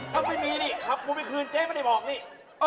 ถ้าไม่มีนี่ขับกูไปคืนเจ๊ไม่ได้บอกนี่